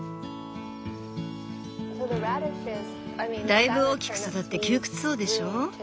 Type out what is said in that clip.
だいぶ大きく育って窮屈そうでしょう？